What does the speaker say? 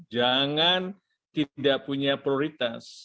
jangan tidak punya prioritas